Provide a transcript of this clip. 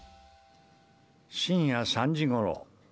深夜３時ごろ。